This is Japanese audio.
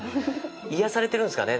癒やされてるんですかね。